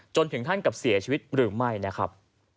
ถึงขั้นกับเสียชีวิตหรือไม่นะครับ